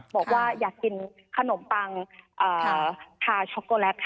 บอกว่าอยากกินขนมปังชาวโชแกะค่ะ